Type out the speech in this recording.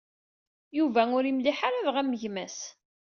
Yuba ur imliḥ ara dɣa am gma-s.